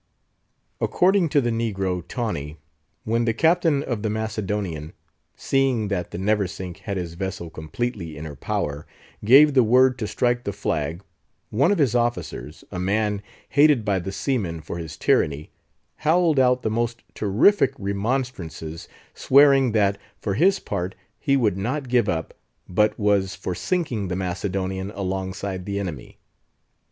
According to the negro, Tawney, when the Captain of the Macedonian—seeing that the Neversink had his vessel completely in her power—gave the word to strike the flag, one of his officers, a man hated by the seamen for his tyranny, howled out the most terrific remonstrances, swearing that, for his part, he would not give up, but was for sinking the Macedonian alongside the enemy.